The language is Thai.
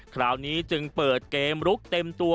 คราวนี้จึงเปิดเกมลุกเต็มตัว